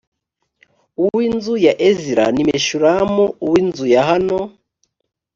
uw inzu ya ezira ni meshulamu uw inzu yahano